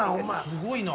すごいな。